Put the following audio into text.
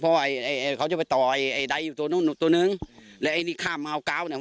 เพราะว่าเขาจะไปต่อไอ้ไดยตัวโน้นตัวหนึ่งและไอ้นี่ข้ามมาเอากาวเนี้ย